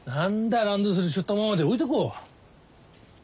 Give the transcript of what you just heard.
ランドセルしょったままで置いてこ。